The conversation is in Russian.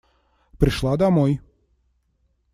Пришла домой.